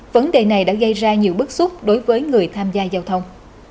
vấn đề này đã gây ra nhiều bức xúc đối với người tham gia giao thông